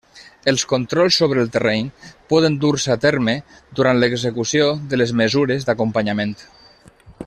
Els controls sobre el terreny poden dur-se a terme durant l'execució de les mesures d'acompanyament.